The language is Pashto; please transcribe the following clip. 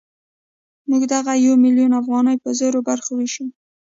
موږ دغه یو میلیون افغانۍ په زرو برخو وېشو